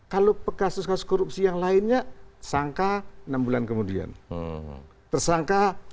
kalau kasus kasus korupsi yang lainnya sangka enam bulan kemudian tersangka